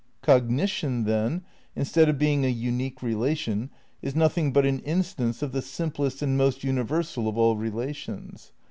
Cognition, then, instead of being a unique rela tion, is nothing but an instance of the simplest and most universal of all relations."